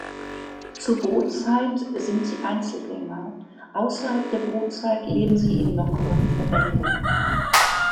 Zur Brutzeit sind sie Einzelgänger, außerhalb der Brutzeit leben sie in lockeren Verbänden.